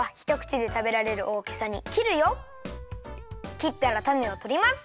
きったらたねをとります。